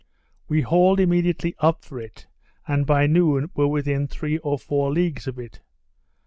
We hauled immediately up for it, and by noon were within three or four leagues of it.